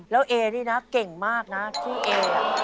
แล้วเอนี่นะเก่งมากนะชื่อเอ